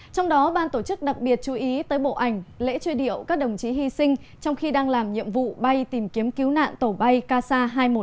trong đó ban tổ chức đặc biệt chú ý tới bộ ảnh lễ truy điệu các đồng chí hy sinh trong khi đang làm nhiệm vụ bay tìm kiếm cứu nạn tổ bay kc hai trăm một mươi hai